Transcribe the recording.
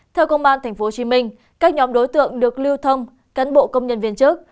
theo công an tp hcm các nhóm đối tượng được lưu thông cán bộ công nhân viên trước